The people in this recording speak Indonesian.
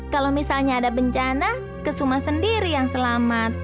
kalau misalnya ada bencana kesuma sendiri yang selamat